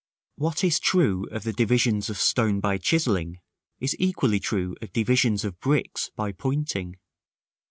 § IV. What is true of the divisions of stone by chiselling, is equally true of divisions of bricks by pointing.